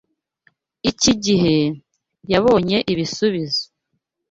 Iki gihe, yabonye ibisubizo.